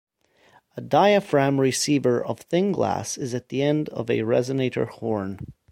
A diaphragm receiver of thin glass is at the end of a resonator horn.